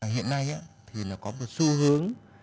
hiện nay có một xu hướng